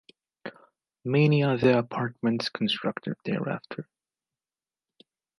Many other apartments constructed thereafter.